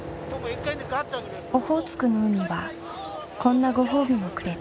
オホーツクの海はこんなご褒美もくれた。